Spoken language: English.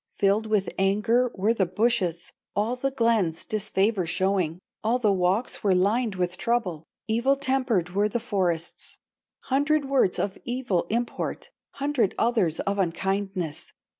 Filled with anger were the bushes, All the glens disfavor showing, All the walks were lined with trouble, Evil tempered were the forests, Hundred words of evil import, Hundred others of unkindness.